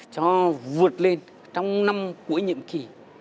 cho vượt lên trong năm cuối nhiệm kỳ